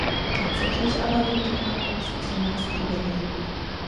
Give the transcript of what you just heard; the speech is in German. Tatsächlich aber lebte Kaphengst zumeist in Berlin.